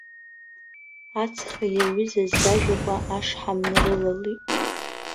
Ацха иаҩызаз иажәақәа ашҳам нарылалеит.